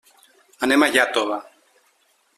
Anem a Iàtova.